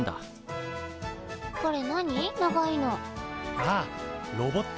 ああロボット